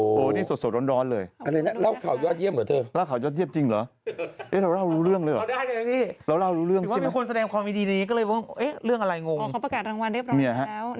โอ้โฮนี่สดสดร้อนเลย